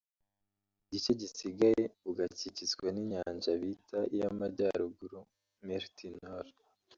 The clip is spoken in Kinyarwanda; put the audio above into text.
igice gisigaye bugakikizwa n’inyanja bita iy’amajyaruguru"Mer du Nord"